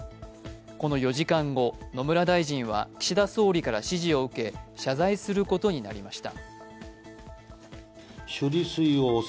この４時間後、野村大臣は岸田総理から指示を受け、謝罪することになりました。